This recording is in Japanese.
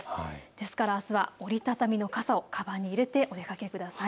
ですから、あすは折り畳みの傘をかばんに入れてお出かけください。